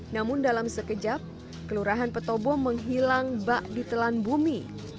namun dalam sekejap kelurahan petobo menghilang bak di telan bumi